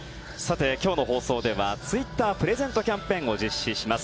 今日の放送ではツイッタープレゼントキャンペーンを実施します。